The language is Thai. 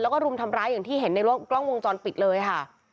แล้วก็รุมทำร้ายอย่างที่เห็นในกล้องวงจรปิดเลยค่ะ